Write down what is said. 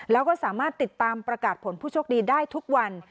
แล้วก็สามารถติดตามประกาศผลผู้โชคดีได้ทุกวัน